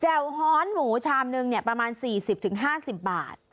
แจ่วฮ้อนหมูชามนึงเนี่ยประมาณ๔๐๕๐บาท